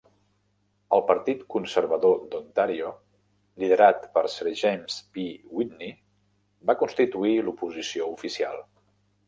El Partit Conservador de Ontario, liderat per Sir James P. Whitney, va constituir l'oposició oficial.